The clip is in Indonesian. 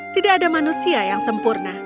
tidak ada manusia yang sempurna